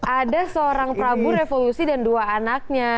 ada seorang prabu revolusi dan dua anaknya